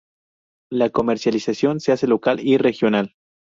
La comercialización se hace local y regional.